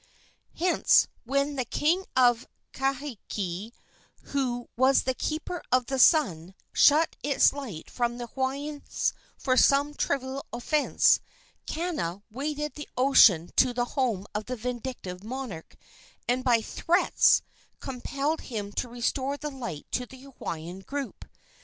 Hence, when the king of Kahiki, who was the keeper of the sun, shut its light from the Hawaiians for some trivial offence, Kana waded the ocean to the home of the vindictive monarch, and by threats compelled him to restore the light to the Hawaiian group.